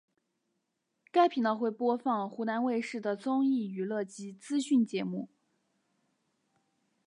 该频道会播放湖南卫视的综艺娱乐及资讯节目。